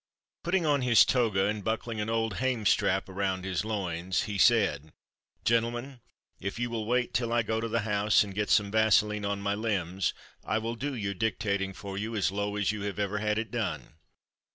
Putting on his toga and buckling an old hame strap around his loins he said: "Gentlemen, if you will wait till I go to the house and get some vaseline on my limbs I will do your dictating for you as low as you have ever had it done."